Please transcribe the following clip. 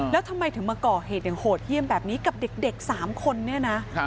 แล้วทำไมถึงมาก่อเหตุอย่างโหดเยี่ยมแบบนี้กับเด็ก๓คนเนี่ยนะ